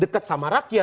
dekat sama rakyat